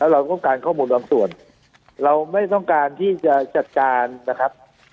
เราต้องการข้อมูลบางส่วนเราไม่ต้องการที่จะจัดการนะครับ